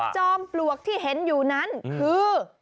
จอมปลวกที่เห็นอยู่นั้นคือ